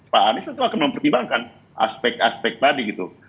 pak anies tentu akan mempertimbangkan aspek aspek tadi gitu